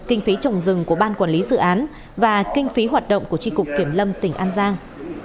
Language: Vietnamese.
kinh phí trồng rừng của ban quản lý dự án và kinh phí hoạt động của tri cục kiểm lâm tỉnh an giang